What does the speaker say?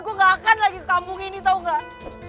gue enggak akan lagi ke kampung ini tahu enggak